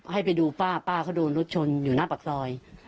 ให้ไปดูป้าป้าเขาโดนรถชนอยู่หน้าปากซอย